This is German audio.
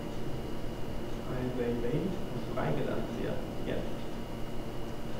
Ai Weiwei muss freigelassen werden jetzt!